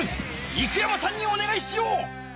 生山さんにおねがいしよう！